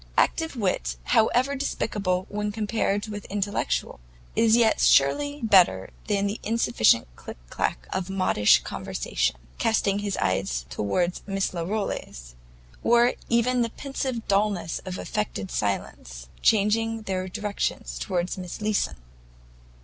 Active wit, however despicable when compared with intellectual, is yet surely better than the insignificant click clack of modish conversation," casting his eyes towards Miss Larolles, "or even the pensive dullness of affected silence," changing their direction towards Miss Leeson.